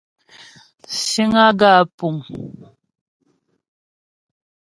Síŋ á gaə̂ ǎ pùŋ.